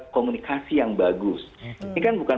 komunikasi yang bagus ini kan bukan